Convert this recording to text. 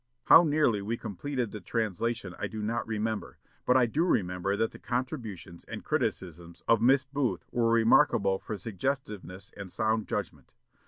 How nearly we completed the translation I do not remember; but I do remember that the contributions and criticisms of Miss Booth were remarkable for suggestiveness and sound judgment.